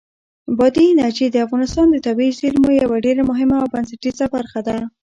بادي انرژي د افغانستان د طبیعي زیرمو یوه ډېره مهمه او بنسټیزه برخه ده.